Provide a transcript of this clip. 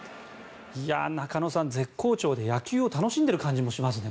中野さん、絶好調で野球を楽しんでる感じがしますね。